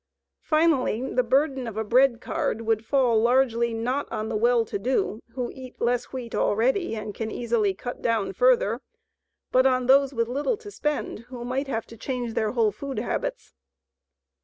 Finally, the burden of a bread card would fall largely not on the well to do, who eat less wheat already and can easily cut down further, but on those with little to spend, who might have to change their whole food habits.